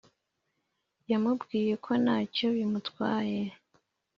yamabwiye ko ntacyo bimutwaye